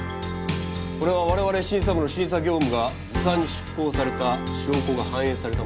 これは我々審査部の審査業務がずさんに執行された証拠が反映されたものと思われます。